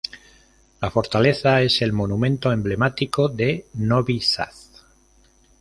La fortaleza es el monumento emblemático de Novi Sad.